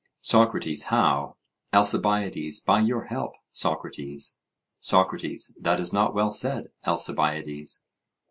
SOCRATES: How? ALCIBIADES: By your help, Socrates. SOCRATES: That is not well said, Alcibiades.